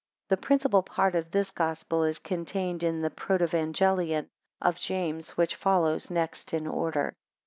The principal part of this Gospel is contained in the Protevangelion of James which follows next in order.